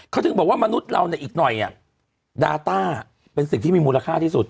เขาถึงบอกว่ามนุษย์เราเนี่ยอีกหน่อยดาต้าเป็นสิ่งที่มีมูลค่าที่สุด